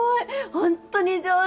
本当に上手。